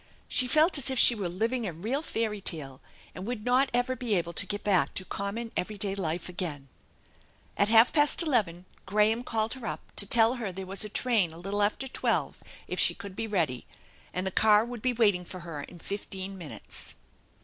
She felt as if she were living a real fairy tale, and would not ever be able to get back to common every day life again* 296 THE ENCHANTED BARN At half past eleven Graham called her up to tell her there was a train a little after twelve if she could be ready, and the car would be waiting for her in fifteen minutes.